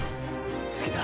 好きだ。